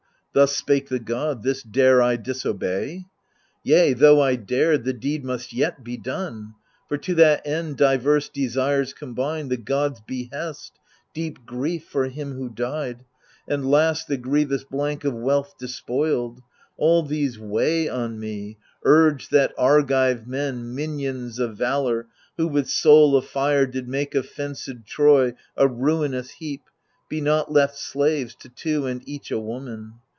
This spake the god — this dare I disobey ? Yea, though I dared, the deed must yet be done ; For to that end diverse desires combine, — The god's behest, deep grief for him who died, And last, the grievous blank of wealth despoiled — All these weigh on me, urge that Argive men, Minions of valour, who with soul of fire Did make of fenced Troy a ruinous heap, Be not left slaves to two and each a woman